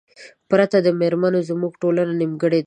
پرته د میرمنو زمونږ ټولنه نیمګړې ده